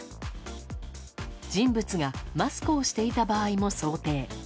人物がマスクをしていた場合も想定。